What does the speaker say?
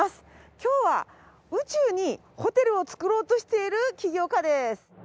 今日は宇宙にホテルを造ろうとしている起業家です。